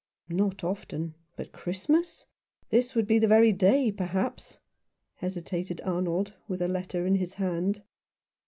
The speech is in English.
"Not often— but Christmas? This would be the very day, perhaps," hesitated Arnold, with a letter in his hand.